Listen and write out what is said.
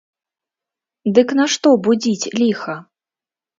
Дык нашто будзіць ліха?